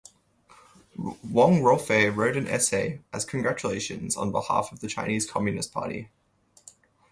Wong Roufei wrote an essay as congratulations on behalf of the Chinese Communist Party.